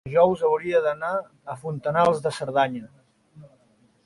dijous hauria d'anar a Fontanals de Cerdanya.